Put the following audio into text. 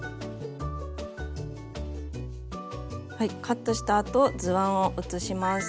カットしたあと図案を写します。